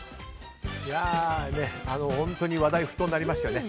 本当に話題沸騰になりましたよね